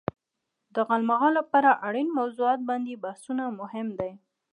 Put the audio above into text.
د غالمغال لپاره اړين موضوعات باندې بحثونه مهم دي.